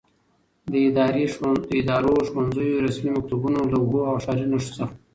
له ادارو، ښوونځیو، رسمي مکتوبونو، لوحو او ښاري نښو څخه